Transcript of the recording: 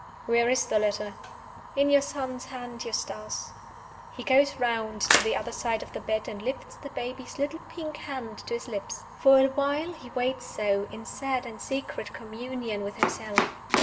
"Where is the letter?" "In your son's hand, Eustace." He goes around to the other side of the bed, and lifts the baby's little pink hand to his lips. For a while he waits so, in sad and secret communion with himself.